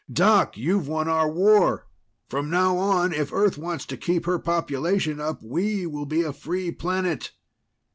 Doc, you've won our war! From now on, if Earth wants to keep her population up, we'll be a free planet!"